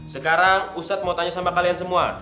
sekarang ustadz mau tanya sama kalian semua